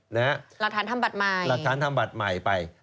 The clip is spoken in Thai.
หลักฐานทำบัตรใหม่หลักฐานทำบัตรใหม่ไป